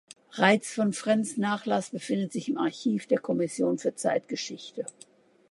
Raitz von Frentz’ Nachlass befindet sich im Archiv der Kommission für Zeitgeschichte.